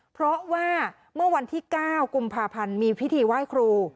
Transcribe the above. เพราะว่าเมื่อวันที่๙กุมภาพันธ์มีพิธีไหว้ครู